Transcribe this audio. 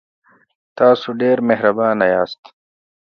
تاسو ډیر مهربانه یاست.